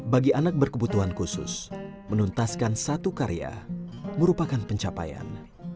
bagi anak berkebutuhan khusus menuntaskan satu karya merupakan pencapaian